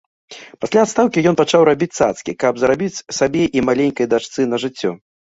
Пасля адстаўкі ён пачаў рабіць цацкі, каб зарабіць сабе і маленькай дачцы на жыццё.